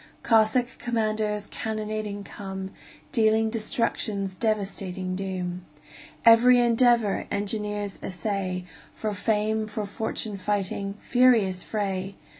Cossack commanders cannonading come, Dealing destruction's devastating doom. Every endeavor engineers essay, For fame, for fortune fighting furious fray!